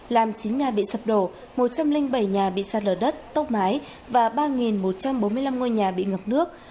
làm chín nhà bị sập đổ một trăm linh bảy nhà bị sạt lở đất tốc mái và ba một trăm bốn mươi năm ngôi nhà bị ngập nước